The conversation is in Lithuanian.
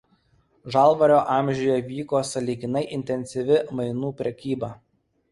Žalvario amžiuje vyko sąlyginai intensyvi mainų prekyba.